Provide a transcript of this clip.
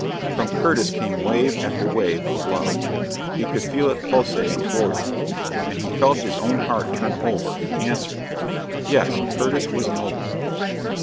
From Curtis came wave after wave of love. He could feel it pulsating toward him, and he felt his own heart turn over, answer it. Yes, Curtis was noble.